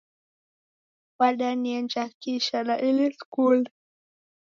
Wadanienja kisha na ini sikunde